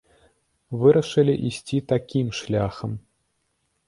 Вырашылі ісці такім шляхам.